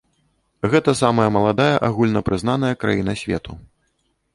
Гэта самая маладая агульнапрызнаная краіна свету.